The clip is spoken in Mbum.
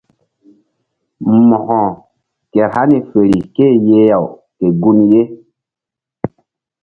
Mo̧ko kehr hani fer ké-e yeh-aw ke gun ye.